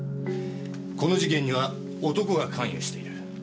この事件には男が関与している。